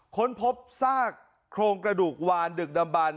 ค้นพบซากโครงกระดูกวานดึกดำบัน